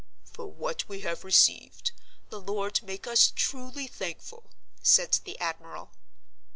"For what we have received, the Lord make us truly thankful," said the admiral.